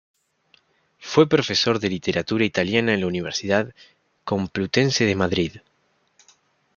Fue profesor de literatura italiana en la Universidad Complutense de Madrid.